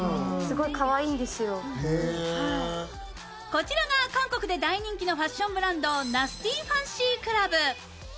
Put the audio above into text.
こちらが韓国で大人気のファッションブランドナスティンファンシークラブ。